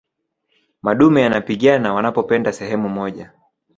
madume yanapigana wanapopenda sehemu moja